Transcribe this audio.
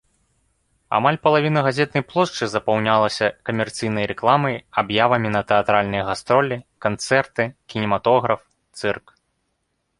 Амаль палавіна газетнай плошчы запаўнялася камерцыйнай рэкламай, аб'явамі на тэатральныя гастролі, канцэрты, кінематограф, цырк.